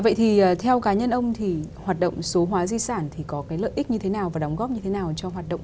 vậy thì theo cá nhân ông thì hoạt động số hóa di sản thì có cái lợi ích như thế nào và đóng góp như thế nào cho hoạt động